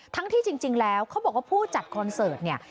ที่จริงแล้วเขาบอกว่าผู้จัดคอนเสิร์ตเนี่ย